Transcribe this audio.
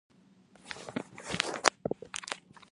Ayahku pergi joging setiap pagi.